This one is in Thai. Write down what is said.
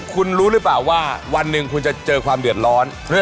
คุณรู้หรือเปล่าว่าวันหนึ่งคุณจะเจอความเดือดร้อน